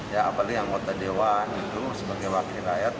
ya apalagi anggota dewan itu sebagai wakil rakyat